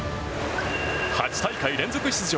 ８大会連続出場